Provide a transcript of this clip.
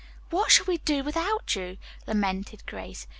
"What shall we do without you!" lamented Grace.